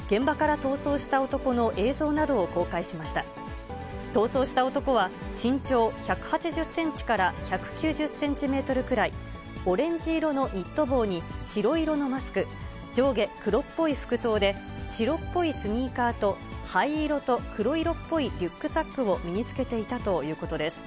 逃走した男は、身長１８０センチから１９０センチメートルくらい、オレンジ色のニット帽に、白色のマスク、上下黒っぽい服装で、白っぽいスニーカーと灰色と黒色っぽいリュックサックを身につけていたということです。